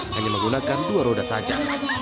hanya menggunakan dua roda saja